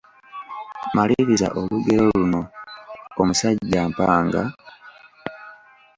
Maliriza olugero luno: Omusajja mpanga, …..